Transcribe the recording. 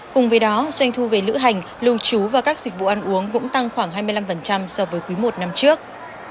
cùng với đó doanh thu về lữ hành lưu trú và các dịch vụ ăn uống cũng tăng khoảng hai mươi năm so với quý i năm trước